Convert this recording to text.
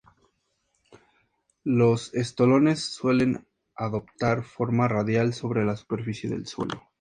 Los estolones suelen adoptar forma radial sobre la superficie del suelo.